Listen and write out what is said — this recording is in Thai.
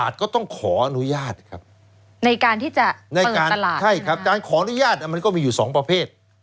ใช่ครับการขออนุญาตมันก็มีอยู่สองประเภท